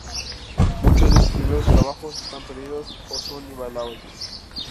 Muchos de sus primeros trabajos están perdidos o son invaluables.